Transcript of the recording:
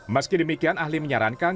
meski demikian ahli menyarankan